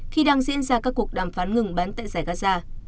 khi đang diễn ra các cuộc đàm phán ngừng bắn tại giải gaza